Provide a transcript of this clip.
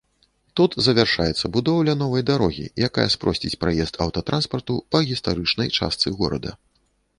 Тут завяршаецца будоўля новай дарогі, якая спросціць праезд аўтатранспарту па гістарычнай частцы горада.